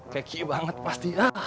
keki banget pasti